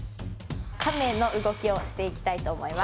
亀の動きをしていきたいと思います。